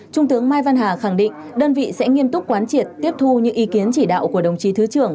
trung tướng mai văn hà khẳng định đơn vị sẽ nghiêm túc quán triệt tiếp thu những ý kiến chỉ đạo của đồng chí thứ trưởng